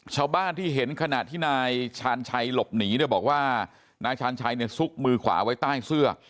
ชาวบ้านที่เห็นขณะที่นายชาญชัยหลบหนีเนี่ยบอกว่านายชาญชัยเนี่ยซุกมือขวาไว้ใต้เสื้อ